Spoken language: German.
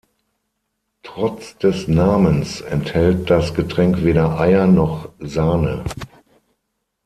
Trotz des Namens enthält das Getränk weder Eier noch Sahne.